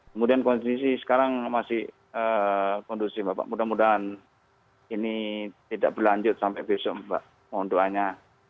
kemudian kondisi sekarang masih kondusif bapak mudah mudahan ini tidak berlanjut sampai besok mbak mohon doanya